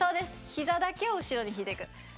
ひざだけを後ろに引いていく。